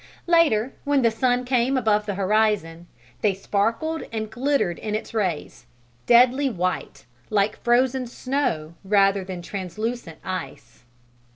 Later, when the sun came above the horizon, they sparkled and glittered in its rays; deadly white, like frozen snow rather than translucent ice.